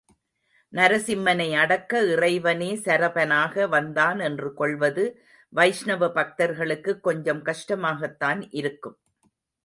நரசிம்மனை அடக்க இறைவனே சரபனாக வந்தான் என்று கொள்வது வைஷ்ணவ பக்தர்களுக்கு கொஞ்சம் கஷ்டமாகத்தான் இருக்கும்.